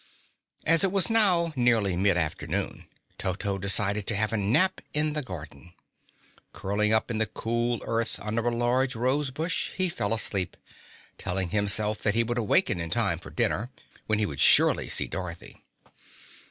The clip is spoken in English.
As it was now nearly mid afternoon, Toto decided to have a nap in the garden. Curling up in the cool earth under a large rose bush, he fell asleep, telling himself that he would awaken in time for dinner, when he would surely see Dorothy.